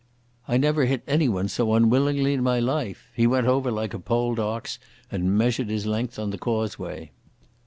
I never hit anyone so unwillingly in my life. He went over like a poled ox, and measured his length on the causeway.